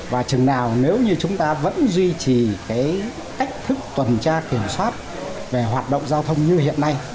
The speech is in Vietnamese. và chừng nào nếu như chúng ta vẫn duy trì cách thức tuần tra kiểm soát về hoạt động giao thông như hiện nay